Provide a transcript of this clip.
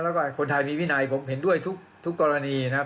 แล้วก็คนไทยมีวินัยผมเห็นด้วยทุกกรณีนะครับ